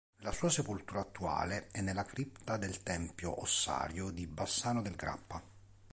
La sua sepoltura attuale è nella cripta del Tempio ossario di Bassano del Grappa.